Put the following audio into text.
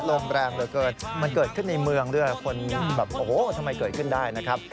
ลมแรงเหลือเกินมันเกิดขึ้นในเมืองด้วยคนแบบโอ้โหทำไมเกิดขึ้นได้นะครับ